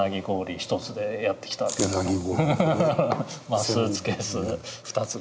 まあスーツケース２つぐらいで。